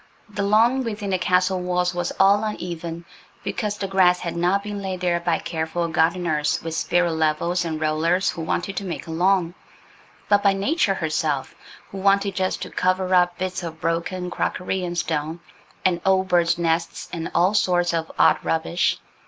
The lawn within the castle walls was all uneven because the grass had not been laid there by careful gardeners, with spirit levels and rollers, who wanted to make a lawn, but by Nature herself, who wanted just to cover up bits of broken crockery and stone, and old birds' nests, and all sorts of odd rubbish.